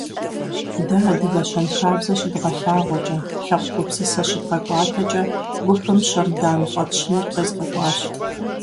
Дэ адыгэ щэнхабзэ щыдгъэлъагъуэкӀэ, лъэпкъ гупсысэ щыдгъэкӀуатэкӀэ, гупым «Щэрдан» фӀэтщыныр къезгъэкӀуащ.